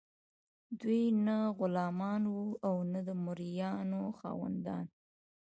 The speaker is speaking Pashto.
دوی نه غلامان وو او نه د مرئیانو خاوندان.